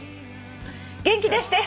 元気出して。